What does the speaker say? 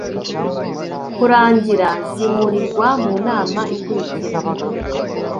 Kurangira zimurirwa mu nama ikurikira